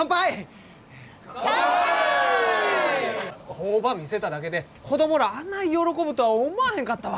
工場見せただけで子供らあない喜ぶとは思わへんかったわ。